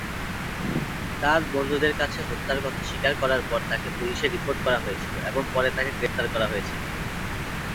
তার বন্ধুদের কাছে হত্যার কথা স্বীকার করার পর তাকে পুলিশে রিপোর্ট করা হয়েছিল এবং পরে তাকে গ্রেপ্তার করা হয়েছিল।